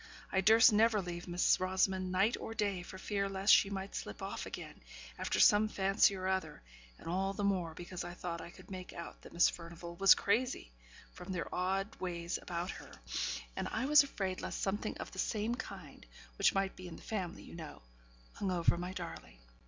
I durst never leave Miss Rosamond, night or day, for fear lest she might slip off again, after some fancy or other; and all the more, because I thought I could make out that Miss Furnivall was crazy, from their odd ways about her; and I was afraid lest something of the same kind (which might be in the family, you know) hung over my darling.